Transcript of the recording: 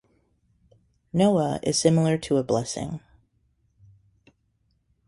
"Noa" is similar to a blessing.